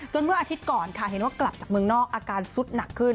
เมื่ออาทิตย์ก่อนค่ะเห็นว่ากลับจากเมืองนอกอาการสุดหนักขึ้น